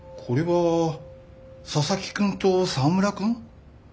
これは佐々木くんと沢村くん？